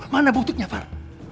mana buktinya far